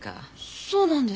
そうなんですか？